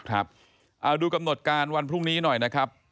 เอาดูกำหนดการวันพรุ่งนี้หน่อยนะครับ